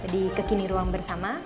di kekini ruang bersama